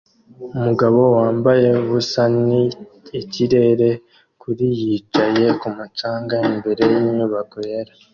umugabo wambaye ubusa ni ikirere kuri yicaye kumu canga imbere yinyubako yera